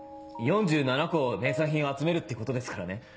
４７個名産品を集めるってことですからね。